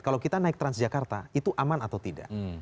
kalau kita naik transjakarta itu aman atau tidak